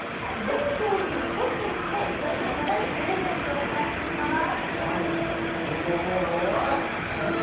全商品をセットにして視聴者の方にプレゼントいたします